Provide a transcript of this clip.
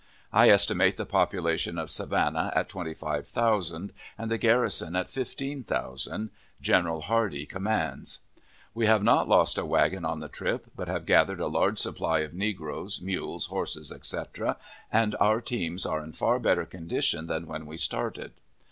I estimate the population of Savannah at twenty five thousand, and the garrison at fifteen thousand. General Hardee commands. We have not lost a wagon on the trip; but have gathered a large supply of negroes, mules, horses, etc., and our teams are in far better condition than when we started.